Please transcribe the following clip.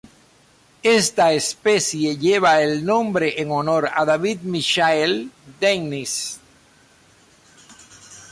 Esta especie lleva el nombre en honor a David Michael Dennis.